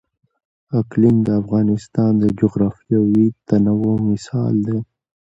اقلیم د افغانستان د جغرافیوي تنوع مثال دی.